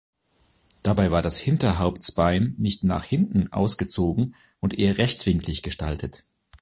Dabei war das Hinterhauptsbein nicht nach hinten ausgezogen und eher rechtwinklig gestaltet.